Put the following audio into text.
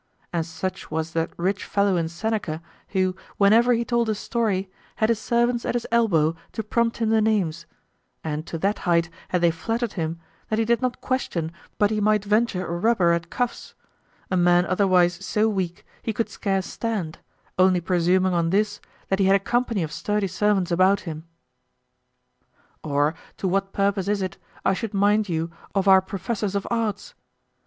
And such was that rich fellow in Seneca, who whenever he told a story had his servants at his elbow to prompt him the names; and to that height had they flattered him that he did not question but he might venture a rubber at cuffs, a man otherwise so weak he could scarce stand, only presuming on this, that he had a company of sturdy servants about him. Or to what purpose is it I should mind you of our professors of arts?